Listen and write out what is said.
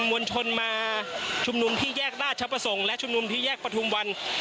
มวลชนมาชุมนุมที่แยกราชประสงค์และชุมนุมที่แยกประทุมวัน